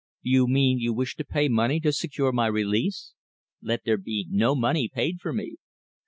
"You mean you wish to pay money to secure my release? Let there be no money paid for me."